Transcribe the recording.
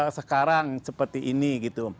sekarang seperti ini gitu